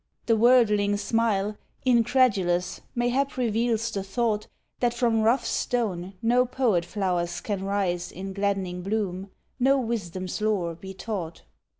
The worldling's smile, Incredulous, mayhap reveals the thought That from rough stone no poet flowers can rise In gladd'ning bloom, no wisdom's lore be taught.